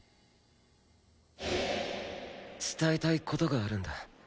伝えたい事があるんだ。